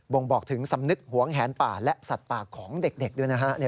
่งบอกถึงสำนึกหวงแหนป่าและสัตว์ป่าของเด็กด้วยนะฮะ